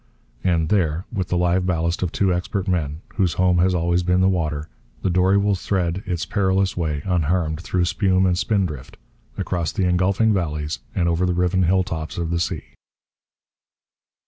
And there, with the live ballast of two expert men, whose home has always been the water, the dory will thread its perilous way unharmed through spume and spindrift, across the engulfing valleys and over the riven hill tops of the sea.